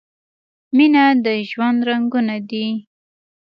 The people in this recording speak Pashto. مینه د ژوند رنګونه دي.